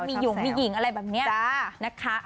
มีหยงมีหญิงอะไรแบบนี้นะคะ